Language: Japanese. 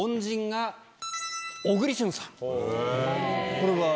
これは？